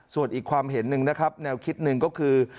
ส่วนอีกความเห็นหนึ่งนะครับแนวคิดหนึ่งก็คือ